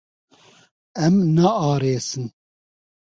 Em naarêsin.